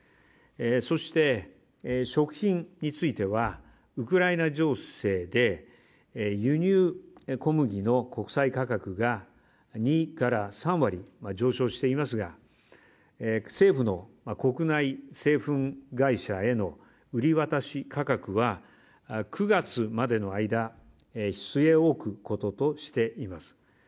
そして、食品については、ウクライナ情勢で、輸入小麦の国際価格が２から３割上昇していますが、政府の国内製粉会社への売り渡し価格は、９月までの間、据え置くこととしています。